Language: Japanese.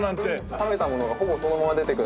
食べたものがほぼそのまま出てくる。